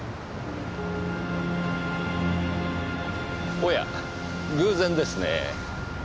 おや偶然ですねぇ。